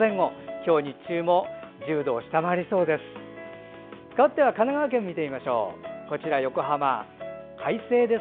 今日、日中も１０度を下回りそうです。